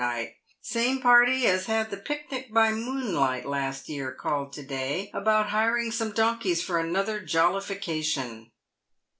The same party as had the pic nic by moonlight last year called to day about hiring some donkeys for another jollification."